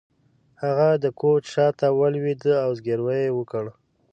هغه د کوچ شاته ولویده او زګیروی یې وکړ